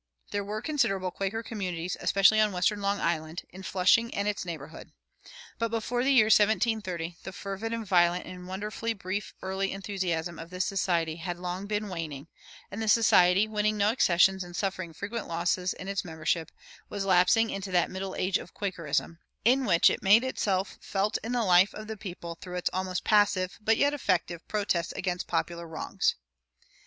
There were considerable Quaker communities, especially on western Long Island, in Flushing and its neighborhood. But before the year 1730 the fervid and violent and wonderfully brief early enthusiasm of this Society had long been waning, and the Society, winning no accessions and suffering frequent losses in its membership, was lapsing into that "middle age of Quakerism"[139:1] in which it made itself felt in the life of the people through its almost passive, but yet effective, protests against popular wrongs.